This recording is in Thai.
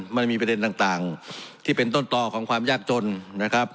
มันมีประเด็นต่างที่เป็นต้นต่อของความยากจนนะครับ